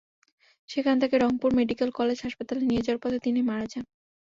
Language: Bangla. সেখান থেকে রংপুর মেডিকেল কলেজ হাসপাতালে নিয়ে যাওয়ার পথে তিনি মারা যান।